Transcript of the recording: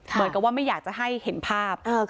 เหมือนกับว่าไม่อยากจะให้เห็นภาพ